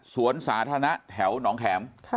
สวนสาธารณะแถวหนองแข็ม